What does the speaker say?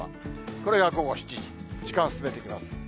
これが午後７時、時間進めていきます。